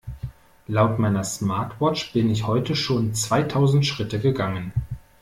Laut meiner Smartwatch bin ich heute schon zweitausend Schritte gegangen.